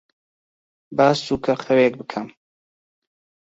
با سووکەخەوێک بکەم.